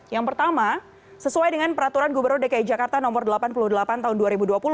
yang pertama sesuai dengan peraturan gubernur dki jakarta nomor delapan puluh delapan tahun dua ribu dua puluh